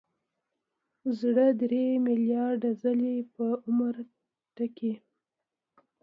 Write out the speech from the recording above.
زړه درې ملیارده ځلې په عمر ټکي.